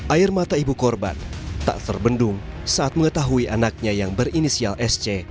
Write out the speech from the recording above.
air mata ibu korban tak terbendung saat mengetahui anaknya yang berinisial sc